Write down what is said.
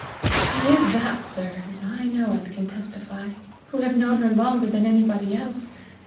"She is that, sir, as I know and can testify, who have known her longer than anybody else.